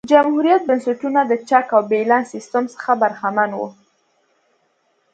جمهوريت بنسټونه د چک او بیلانس سیستم څخه برخمن وو.